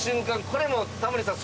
これもタモリさん